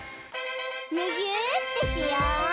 むぎゅーってしよう！